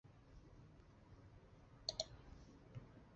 两个种族就这么保持松散的关系许多年。